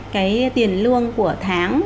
cái tiền lương của tháng